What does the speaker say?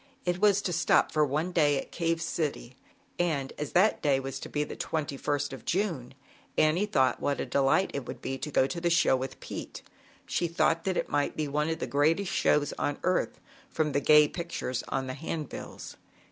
It was to stop for one day at Cave City, and as that day was to be the 2ist of June, Annie thought what a delight it would be to go to the show with Pete. She thought that it must be one of the greatest shows on earth, from the gay pictures on the hand bills.